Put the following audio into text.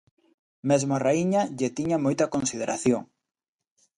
Mesmo a raíña lle tiña moita consideración.